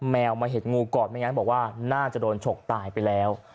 แมวมาเห็นงูก่อนไม่งั้นบอกว่าน่าจะโดนฉกตายไปแล้ว